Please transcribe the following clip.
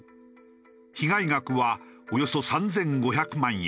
被害額はおよそ３５００万円。